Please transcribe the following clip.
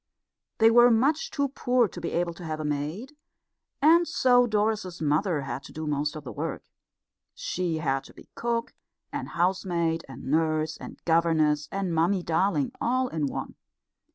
They were much too poor to be able to have a maid, and so Doris's mother had to do most of the work. She had to be cook and housemaid and nurse and governess and Mummy darling all in one.